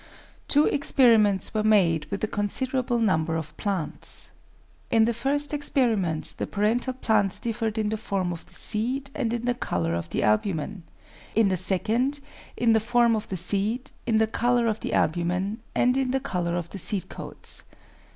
Two experiments were made with a considerable number of plants. In the first experiment the parental plants differed in the form of the seed and in the colour of the albumen; in the second in the form of the seed, in the colour of the albumen, and in the colour of the seed coats.